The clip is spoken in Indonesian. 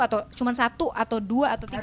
atau cuma satu atau dua atau tiga